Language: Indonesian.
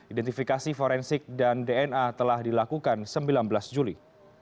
identifikasi forensik dan dna telah dilakukan sembilan belas juli